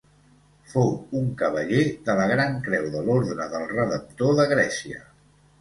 Fou un cavaller de la Gran Creu de l'Ordre del Redemptor de Grècia.